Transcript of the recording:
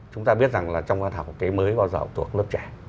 chúng ta biết rằng là trong văn học cái mới bao giờ thuộc lớp trẻ